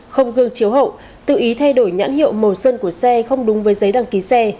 không gương chiếu hậu tự ý thay đổi nhãn hiệu màu sơn của xe không đúng với giấy đăng ký xe